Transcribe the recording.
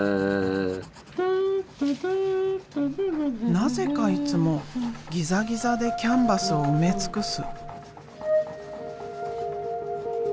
なぜかいつもギザギザでキャンバスを埋め尽くす。